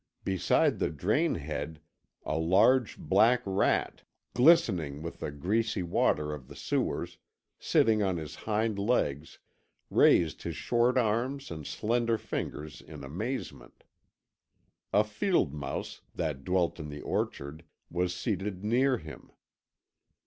Beside the drain head, a large black rat, glistening with the greasy water of the sewers, sitting on his hind legs, raised his short arms and slender fingers in amazement. A field mouse, that dwelt in the orchard, was seated near him.